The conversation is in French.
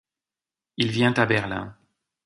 Il vient à Berlin.